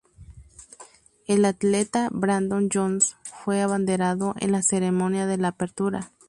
El atleta Brandon Jones fue el abanderado en la ceremonia de apertura.